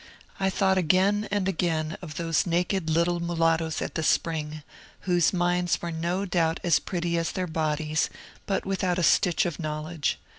I thought again and again of those naked little mulattoes at the spring, whose minds were no doubt as pretty as their bodies, but without a stitch of knowledge.